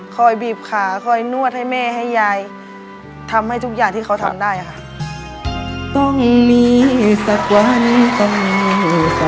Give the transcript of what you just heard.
ค่อยบีบขาค่อยนวดให้แม่ให้ยายทำให้ทุกอย่างที่เขาทำได้อ่ะค่ะ